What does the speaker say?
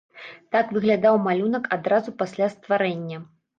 Так выглядаў малюнак адразу пасля стварэння.